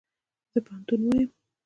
زه پوهنتون وایم